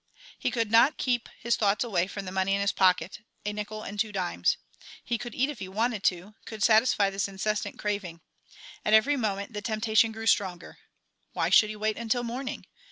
He could not keep his thoughts away from the money in his pocket, a nickel and two dimes. He could eat if he wanted to, could satisfy this incessant craving. At every moment the temptation grew stronger. Why should he wait until morning?